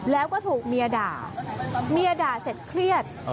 แล้วก็ถูกเมียด่าเมียด่าเสร็จเครียด